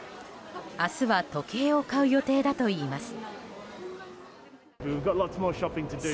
明日は時計を買う予定だといいます。